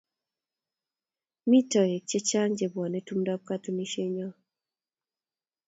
Mi toek chechang' che pwonei tumndap katunisyennyo.